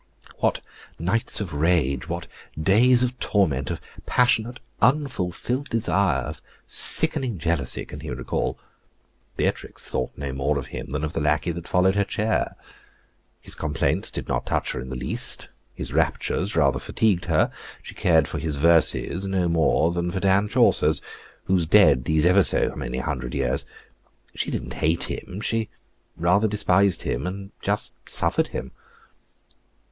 What nights of rage, what days of torment, of passionate unfulfilled desire, of sickening jealousy can he recall! Beatrix thought no more of him than of the lackey that followed her chair. His complaints did not touch her in the least; his raptures rather fatigued her; she cared for his verses no more than for Dan Chaucer's, who's dead these ever so many hundred years; she did not hate him; she rather despised him, and just suffered him.